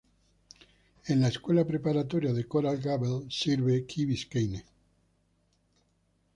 La Escuela Preparatoria de Coral Gables sirve Key Biscayne.